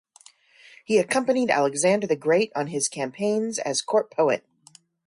He accompanied Alexander the Great on his campaigns as court-poet.